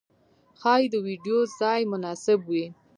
ښايې د ويدېدو ځای مناسب وي.